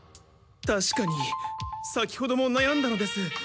たしかに先ほどもなやんだのです。